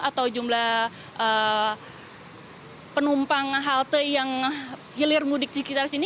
atau jumlah penumpang halte yang hilir mudik di sekitar sini